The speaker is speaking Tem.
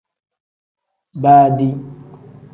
Baadi.